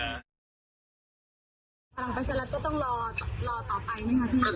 และส่งแบบวาดนี้ไหม